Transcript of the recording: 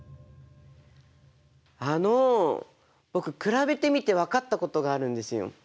あの僕比べてみて分かったことがあるんですよ。